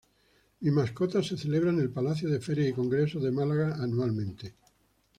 Mi Mascota se celebra en el Palacio de Ferias y Congresos de Málaga anualmente.